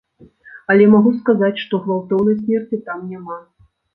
Але магу сказаць, што гвалтоўнай смерці там няма.